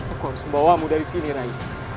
aku harus membawamu dari sini ray